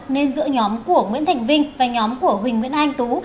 nên giữa nhóm của nguyễn thành vinh và nhóm của huỳnh nguyễn anh tú